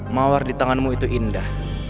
mawar di tanganmu itu indah